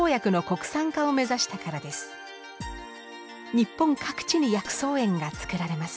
日本各地に薬草園がつくられます。